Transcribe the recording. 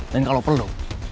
dan kalo perlu